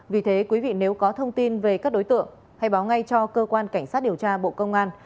vì thế quý vị nếu có thông tin về các đối tượng hãy báo ngay cho cơ quan cảnh sát điều tra bộ công an